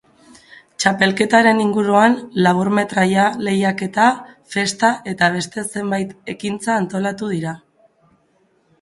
Txapelketaren inguruan laburmetraia lehiaketa, festa, eta beste zenbait ekintza antolatu dira.